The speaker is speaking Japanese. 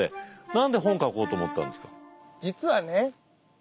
何で本書こうと思ったんですか？